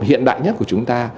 hiện đại nhất của chúng ta